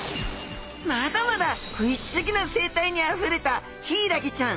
まだまだ不思議な生態にあふれたヒイラギちゃん。